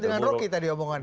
dengan rocky tadi omongannya